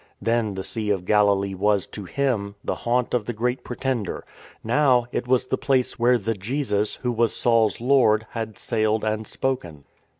Then the Sea of Galilee was, to him, the haunt of the Great Pretender; now it was the place where the Jesus, Who was Saul's Lord, had sailed and spoken.